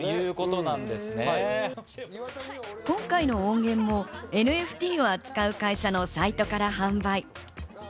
今回の音源もＮＦＴを扱う会社のサイトから販売。